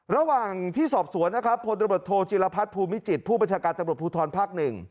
ระหว่างที่สอบสวนพตจิลภัทธ์ภูมิจิตผู้ประชาการตำรวจภูทรภักดิ์๑